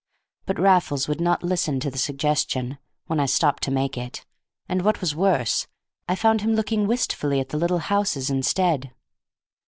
But Raffles would not listen to the suggestion, when I stopped to make it, and what was worse, I found him looking wistfully at the little houses instead.